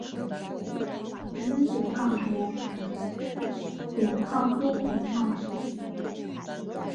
宜宾碘泡虫为碘泡科碘泡虫属的动物。